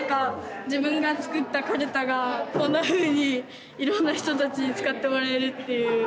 自分が作ったカルタがこんなふうにいろんな人たちに使ってもらえるっていう。